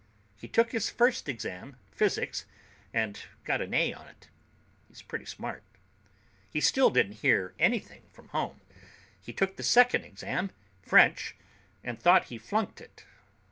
He took his first exam, physics, and got an A on it. He's pretty smart. "He still didn't hear anything from home. He took the second exam, French, and thought he flunked it.